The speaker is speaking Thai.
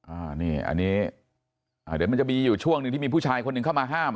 อันนี้อันนี้เดี๋ยวมันจะมีอยู่ช่วงหนึ่งที่มีผู้ชายคนหนึ่งเข้ามาห้าม